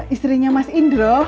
istrinya mas indro